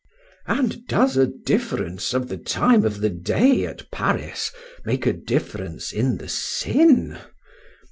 —And does the difference of the time of the day at Paris make a difference in the sin?